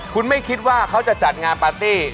คุณไม่คิดว่าเขาจะจัดงานปาร์ตี้